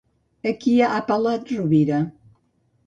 A qui ha apel·lat Rovira?